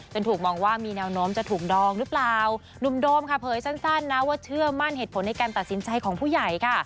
ถูกมองว่ามีแนวโน้มจะถูกดองหรือเปล่าหนุ่มโดมค่ะเผยสั้นนะว่าเชื่อมั่นเหตุผลในการตัดสินใจของผู้ใหญ่ค่ะ